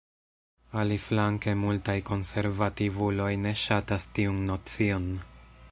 Aliflanke multaj konservativuloj ne ŝatas tiun nocion.